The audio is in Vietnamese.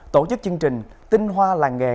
tổ chức chương trình tinh hoa làng nghề